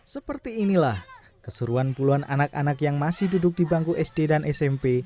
seperti inilah keseruan puluhan anak anak yang masih duduk di bangku sd dan smp